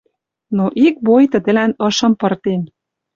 Но ик бой тӹдӹлӓн ышым пыртен